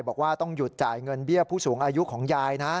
บอกว่าต้องหยุดจ่ายเงินเบี้ยผู้สูงอายุของยายนะ